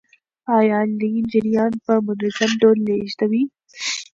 آیا لین جریان په منظم ډول لیږدوي؟